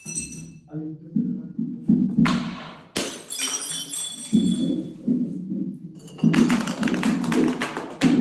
আদিত্য বিড়লা গ্রুপের বেশিরভাগ সংস্থার ডিরেক্টর বোর্ডের সদস্য হওয়া ছাড়াও অন্যান্য বিভিন্ন গুরুত্বপূর্ণ পদে রাজশ্রী বিড়লা ছিলেন।